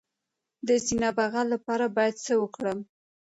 د سینه بغل لپاره باید څه وکړم؟